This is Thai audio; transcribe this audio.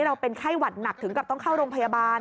เราเป็นไข้หวัดหนักถึงกับต้องเข้าโรงพยาบาล